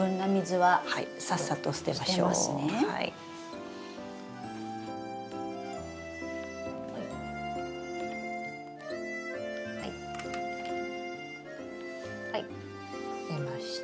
はい捨てました。